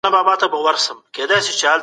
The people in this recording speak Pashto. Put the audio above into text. تولیدي سرچینې باید په سمه توګه وکارول سي.